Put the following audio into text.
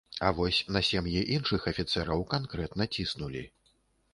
А вось на сем'і іншых афіцэраў канкрэтна ціснулі.